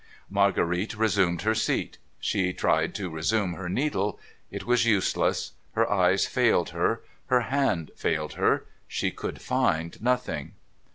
Marguerite resumed her seat. She tried to resume her needle. It was useless; her eyes failed her; her hand failed her; she could find nothing.